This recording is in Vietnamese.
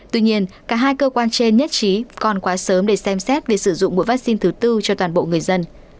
tuy nhiên cả hai cơ quan trên nhất trí còn quá sớm để xem xét việc sử dụng mỗi vaccine thứ tư cho toàn bộ người dân